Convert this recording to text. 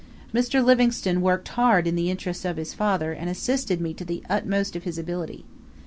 Mr. Livingstone worked hard in the interests of his father and assisted me to the utmost of his ability.